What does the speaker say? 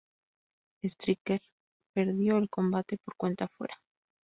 Striker perdió el combate por cuenta fuera.